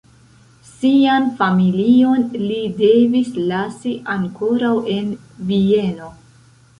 Sian familion li devis lasi ankoraŭ en Vieno.